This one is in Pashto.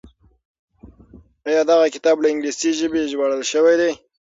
آيا دغه کتاب له انګليسي ژبې ژباړل شوی دی؟